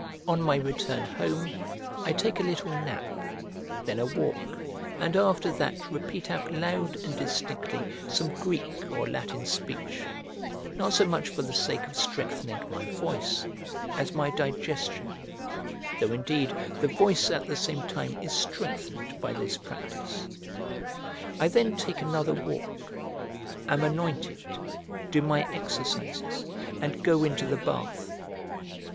On my return home, I take a little nap, then a walk, and after that repeat out loud and distinctly some Greek or Latin speech, not so much for the sake of strengthening my voice as my digestion; though indeed the voice at the same time is strengthened by this practice. I then take another walk, am anointed, do my exercises, and go into the bath.